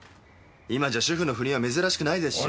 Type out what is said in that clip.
今じゃ主婦の不倫は珍しくないですし。